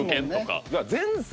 前世